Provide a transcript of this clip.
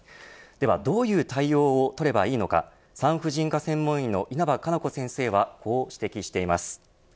ではどういう対応を取ればいいのか産婦人科専門医の稲葉可奈子先生はこう指摘しています。